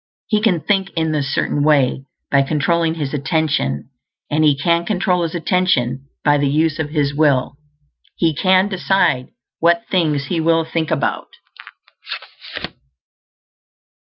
He can think in this Certain Way by controlling his attention, and he can control his attention by the use of his will. He can decide what things he will think about.